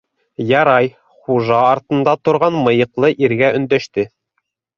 Ярай, - хужа артында торған мыйыҡлы иргә өндәште.